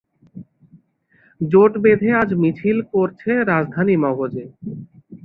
জোট বেঁধে আজ মিছিল করছে রাজধানী মগজে ।